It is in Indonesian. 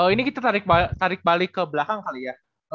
ini kita tarik balik ke belakang kali ya